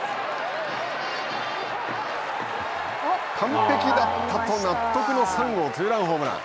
完璧だったと納得の３号ツーランホームラン。